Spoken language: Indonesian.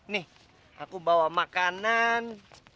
nih aku bawa makanan